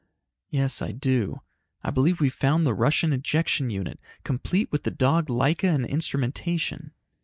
"Yes, I do. I believe we've found the Russian ejection unit, complete with the dog Laika and instrumentation."